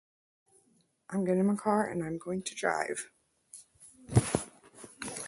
An aircraft landing strip suitable for private jets is amongst the circuit's facilities.